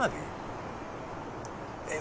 えっ！？